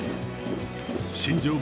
新庄